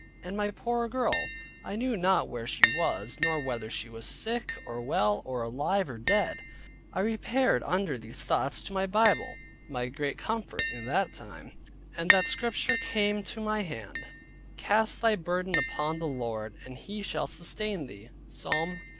And my poor girl, I knew not where she was, nor whether she was sick, or well, or alive, or dead. I repaired under these thoughts to my Bible (my great comfort in that time) and that Scripture came to my hand, "Cast thy burden upon the Lord, and He shall sustain thee" (Psalm 55.